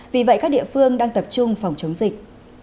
vì vậy các địa phương đang tập trung phòng chống dịch